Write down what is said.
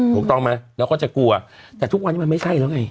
ถูกต้องไหมเราก็จะกลัวแต่ทุกวันนี้มันไม่ใช่แล้วไง